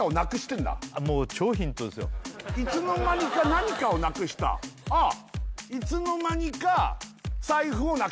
いつの間にか何かをなくしたあっああああ